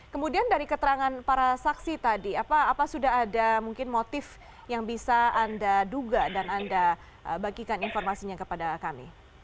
kemudian dari keterangan para saksi tadi apa sudah ada mungkin motif yang bisa anda duga dan anda bagikan informasinya kepada kami